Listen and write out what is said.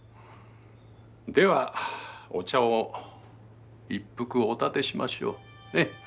ではお茶を一服おたてしましょう。